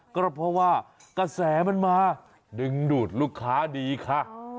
ก็เพราะว่ากระแสมันมาดึงดูดลูกค้าดีค่ะ